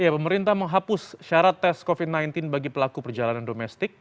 pemerintah menghapus syarat tes covid sembilan belas bagi pelaku perjalanan domestik